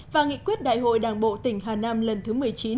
và nghị quyết đại hội đảng bộ tỉnh hà nam lần thứ một mươi chín